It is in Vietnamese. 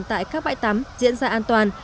tại các bãi tắm diễn ra an toàn